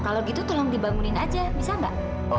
kalau gitu tolong dibangunin saja bisa mbak